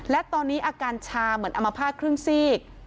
และตอนนี้อาการชาเหมือนอมภาษณครึ่งซีก